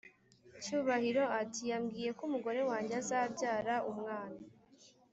Cyubahiro ati"yambwiye ko umugore wanjye azabyara umwana